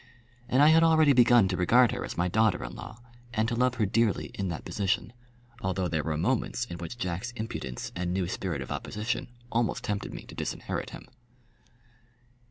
And I had already begun to regard her as my daughter in law, and to love her dearly in that position, although there were moments in which Jack's impudence and new spirit of opposition almost tempted me to disinherit him.